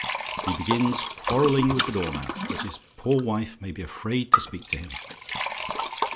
He begins quarrelling with the door mat, that his poor wife may be afraid to speak to him.